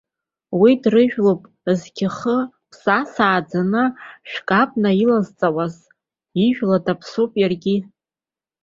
Уи дрыжәлоуп зықь-хы аԥсаса ааӡаны, шәкы абна илазҵауаз, ижәла даԥсоуп иаргьы.